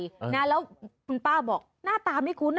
แล้วคุณป้าบอกหน้าตาไม่คุ้น